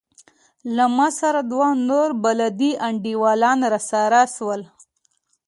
له ما سره دوه نور بلدي انډيوالان راسره سول.